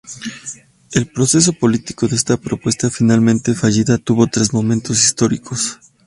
El proceso político de esta propuesta, finalmente fallida tuvo tres momentos históricos.